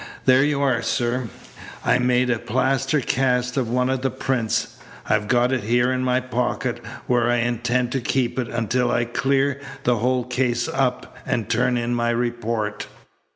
There you are, sir. I've made a plaster cast of one of the prints. I've got it here in my pocket where I intend to keep it until I clear the whole case up and turn in my report."